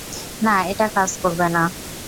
না, এটা কাজ করবে না!